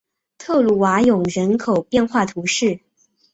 特鲁瓦永人口变化图示